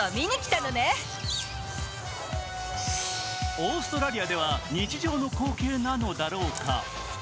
オーストラリアでは日常の光景なのだろうか。